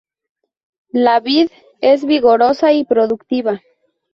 La vid es vigorosa y productiva.